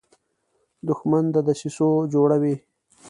دښمن د دسیسو جوړه وي